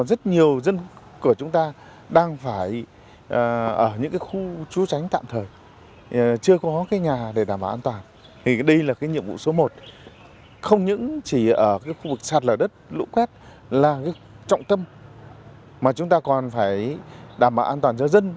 vì đây là khu vực sạt lở đất lũ quét là trọng tâm mà chúng ta còn phải đảm bảo an toàn cho dân